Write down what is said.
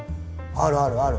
あるあるある。